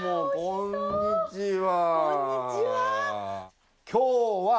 こんにちは。